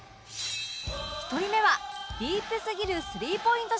１人目はディープすぎるスリーポイント